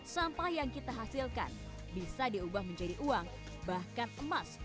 sampah yang kita hasilkan bisa diubah menjadi uang bahkan emas